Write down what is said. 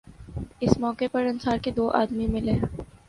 اس موقع پر انصار کے دو آدمی ملے